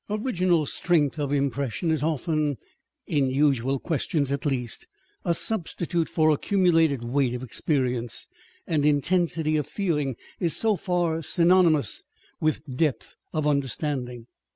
Original strength of impression is often (in usual questions at least) a substitute for accumulated weight of experience ; and intensity of feeling is so far synonymous with depth of understanding.